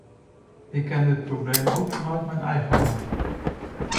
Ik ken dit probleem ook vanuit mijn eigen land.